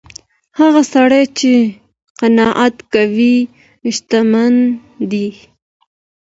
هغه سړی چي قناعت کوي شتمن دی.